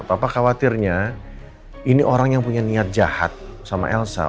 papa khawatirnya ini orang yang punya niat jahat sama elsa